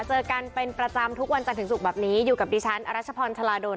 เจอกันเป็นประจำทุกวันจันทร์ถึงศุกร์แบบนี้อยู่กับดิฉันอรัชพรชลาดล